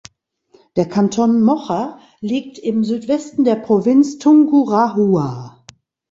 Der Kanton Mocha liegt im Südwesten der Provinz Tungurahua.